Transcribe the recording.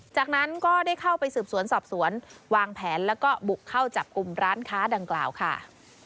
จากนั้นก็ได้เข้าไปสืบสวนสอบสวนวางแผนแล้วก็บุกเข้าจับกลุ่มร้านค้าดังกล่าวค่ะ